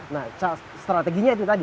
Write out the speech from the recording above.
nah strateginya itu tadi